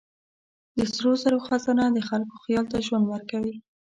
د سرو زرو خزانه د خلکو خیال ته ژوند ورکوي.